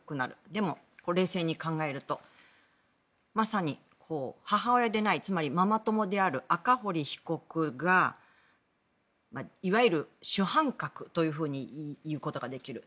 でも、冷静に考えるとまさに母親でないつまりママ友である赤堀被告がいわゆる主犯格というふうに言うことができる。